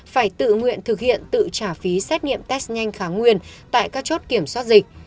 phải tự nguyện thực hiện tự trả phí xét nghiệm test nhanh kháng nguyên tại các chốt kiểm soát dịch